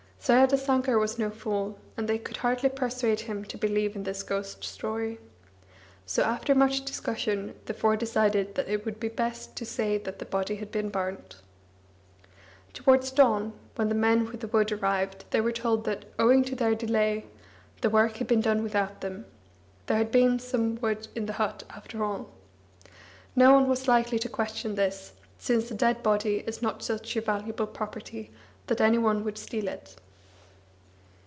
Saradasankar was no fool, and they could hardly persuade him to believe in this ghost story. So after much discussion the four decided that it would be best to say that the body had been burnt. Towards dawn, when the men with the wood arrived they were told that, owing to their delay, the work had been done without them; there had been some wood in the but after all. No one was likely to question this, since a dead body is not such a valuable property that any one would steal it.